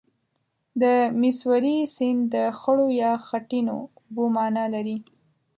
د میسوری سیند د خړو یا خټینو اوبو معنا لري.